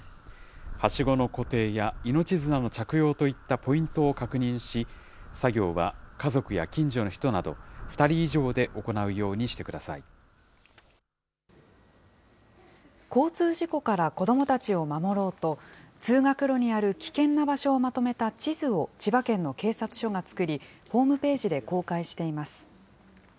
はしごの固定や命綱の着用といったポイントを確認し、作業は家族や近所の人など、２人以上で行う交通事故から子どもたちを守ろうと、通学路にある危険な場所をまとめた地図を千葉県の警察署が作り、ホームページで公開しています。